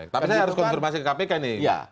tapi saya harus konfirmasi ke kpk nih